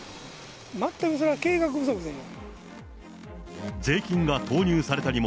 全くそれは計画不足でしょ。